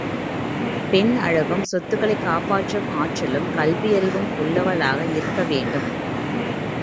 பெண் அழகும், சொத்துக்களைக் காப்பாற்றும் ஆற்றலும், கல்வியறிவும் உள்ளவளாக இருக்க வேண்டும்.